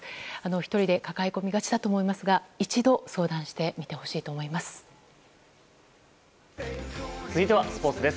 １人で抱え込みがちだと思いますが一度相談してほしいと思います。